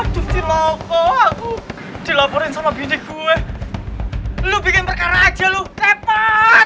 dilaporin sama bini gue lu bikin perkara aja lu repot